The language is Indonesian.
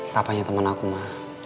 papanya temen aku ma